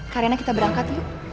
kak raina kita berangkat yuk